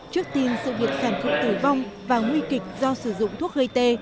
trước tin sự việc sản phụ tử vong và nguy kịch do sử dụng thuốc gây tê